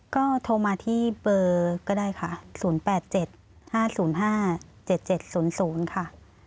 ก็โทรมาที่เบอร์ก็ได้ค่ะ๐๘๗๕๐๕๗๗๐๐ค่ะ